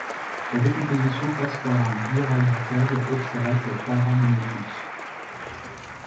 La décomposition passe par un biradical oxalate paramagnétique.